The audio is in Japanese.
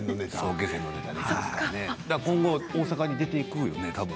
今後、大阪に出ていくのねたぶん。